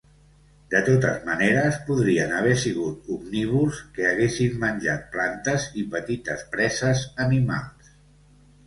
De totes maneres podrien haver sigut omnívors que haguessin menjat plantes i petites preses animals.